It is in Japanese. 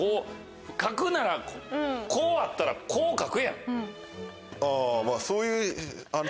描くならこうあったらこう描くやん。